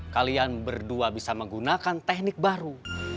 kalian berdua bisa menggunakan teknik baru